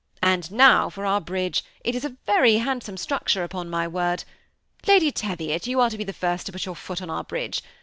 And now for our bridge ; it is a very handsome structure, upon mj word. Lady Teviot, you are to be the first to put your foot on our bridge.